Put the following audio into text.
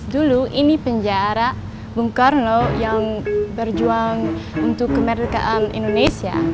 dulu ini penjara bung karno yang berjuang untuk kemerdekaan indonesia